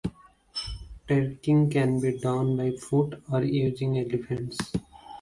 Trekking can be done by foot or using elephants.